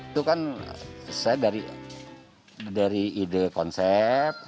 itu kan saya dari ide konsep